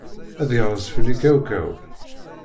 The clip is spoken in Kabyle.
Ad yerẓ fell-i kawkaw.